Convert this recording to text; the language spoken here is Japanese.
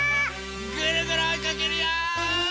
ぐるぐるおいかけるよ！